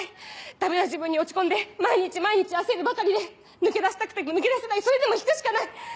ダメな自分に落ち込んで毎日毎日焦るばかりで抜け出したくても抜け出せないそれでも弾くしかない。